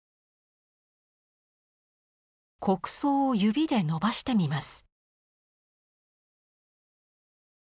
木屎を指で伸ばしてみます。